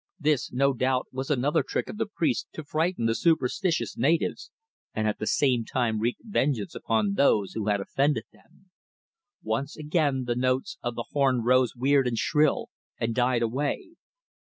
This no doubt was another trick of the priests to frighten the superstitious natives, and at the same time wreak vengeance upon those who had offended them. Once again the notes of the horn rose weird and shrill, and died away.